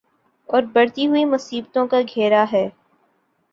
اوربڑھتی ہوئی مصیبتوں کا گھیرا ہے۔